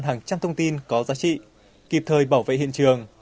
hàng trăm thông tin có giá trị kịp thời bảo vệ hiện trường